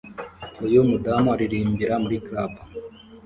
Uyu mudamu aririmbira muri club